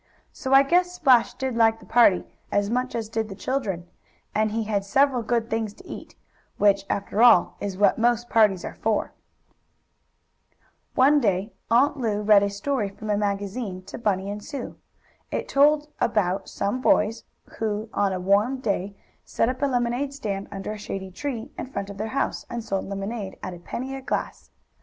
So I guess Splash did like the party as much as did the children. And he had several good things to eat, which, after all, is what most parties are for. One day Aunt Lu read a story from a magazine to Bunny and Sue. It told about some boys who, on a warm day, set up a lemonade stand under a shady tree, in front of their house, and sold lemonade at a penny a glass.